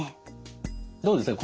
どうですか？